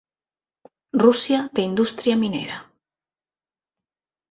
Rússia té indústria minera.